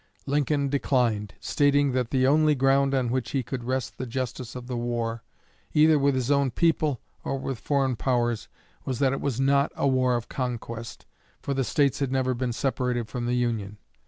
Lincoln declined, stating that "the only ground on which he could rest the justice of the war either with his own people or with foreign powers was that it was not a war of conquest, for the States had never been separated from the Union.